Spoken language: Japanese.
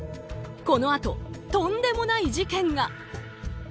このあと、とんでもない事件が。